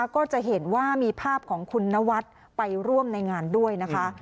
ก็จะเห็นว่ามีภาพของคุณนวัดไปร่วมในงานด้วยนะคะ